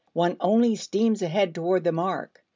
One only steams ahead toward the mark.